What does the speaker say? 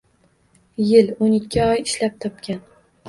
Yil-o‘n ikki oy ishlab topgan